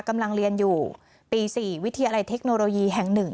กำลังเรียนอยู่ปี๔วิทยาลัยเทคโนโลยีแห่ง๑